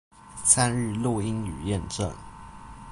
參與錄音與驗證